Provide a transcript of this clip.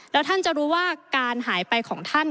แล้วท่านจะรู้ว่าการหายไปของท่าน